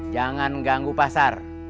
jangan ganggu pasar